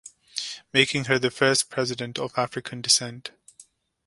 Making her the first President of African descent.